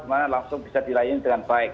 bagaimana langsung bisa dilayani dengan baik